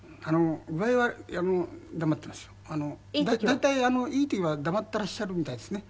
大体いい時は黙っていらっしゃるみたいですね。